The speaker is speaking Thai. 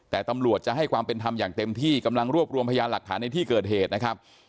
แต่ตำรวจจะให้ความเป็นธรรมอย่างเต็มที่กำลังรวบรวมพยานหลักฐานในที่เกิดเหตุนะครับ